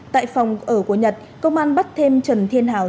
tại phòng ở của nhật công an bắt thêm trần thiên hảo